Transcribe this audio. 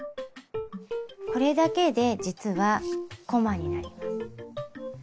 これだけで実はこまになります。